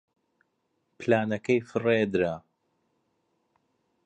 پلانەکەی فڕێ درا.